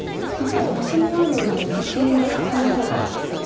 確かにオシにあるよりもコスミのこの方がいいですね。